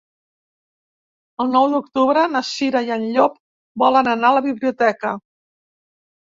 El nou d'octubre na Cira i en Llop volen anar a la biblioteca.